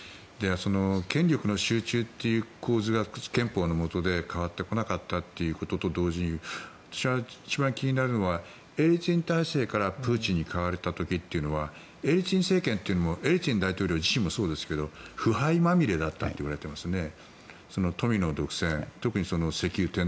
権力の集中という構図が憲法のもとで変わってこなかったということと同時に私が一番気になるのはエリツィン体制からプーチンに変わった時というのはエリツィン政権というのはエリツィン大統領自身もそうですけれど腐敗まみれだったといわれていますね。